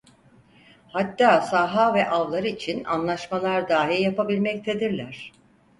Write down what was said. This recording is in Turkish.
Hatta saha ve avlar için anlaşmalar dahi yapabilmektedirler.